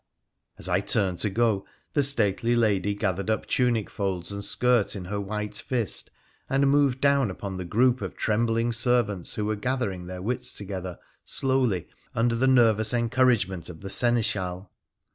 As I turned to go the stately lady gathered up tunic folds and skirt in her white fist and moved down upon the group of trembling servants who were gathering their wits together slowly under the nervous encouragement of the seneschal.